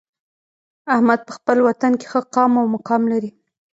احمد په خپل وطن کې ښه قام او مقام لري.